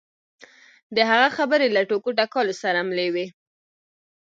د هغه خبرې له ټوکو ټکالو سره ملې وې.